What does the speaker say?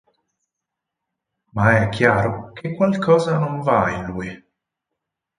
Ma è chiaro che qualcosa non va in lui.